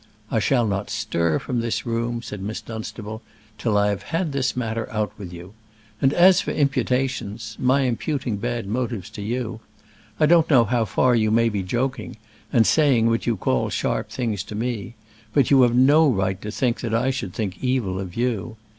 "I shall not stir from this room," said Miss Dunstable, "till I have had this matter out with you. And as for imputations, my imputing bad motives to you, I don't know how far you may be joking, and saying what you call sharp things to me; but you have no right to think that I should think evil of you.